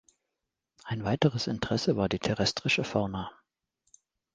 Ein weiteres Interesse war die terrestrische Fauna.